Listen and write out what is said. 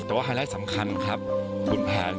แต่ว่าไฮไลท์สำคัญครับคุณแพน